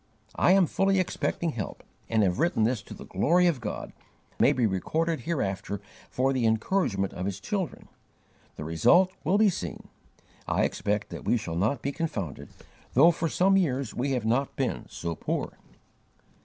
I am fully expecting help, and have written this to the glory of God, that it may be recorded hereafter for the encouragement of His children. The result will be seen. I expect that we shall not be confounded, though for some years we have not been so poor."